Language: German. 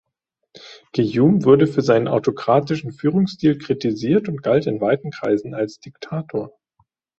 Gayoom wurde für seinen autokratischen Führungsstil kritisiert und galt in weiten Kreisen als Diktator.